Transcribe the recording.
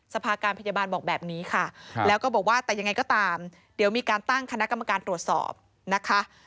สภาการพยาบาลบอกแบบนี้ค่ะแล้วก็บอกว่าแต่ยังไงก็ตามเดี๋ยวมีการตั้งคณะกรรมการตรวจสอบนะคะ